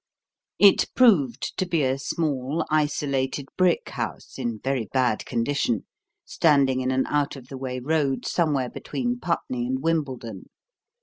It proved to be a small, isolated brick house in very bad condition, standing in an out of the way road somewhere between Putney and Wimbledon.